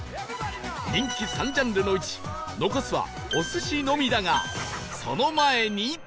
人気３ジャンルのうち残すはお寿司のみだがその前に